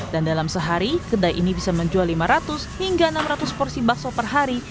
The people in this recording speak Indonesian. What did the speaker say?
dan dalam sehari kedai ini bisa menjual lima ratus hingga enam ratus porsi bakso per hari